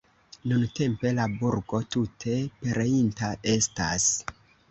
Nuntempe la burgo tute pereinta estas.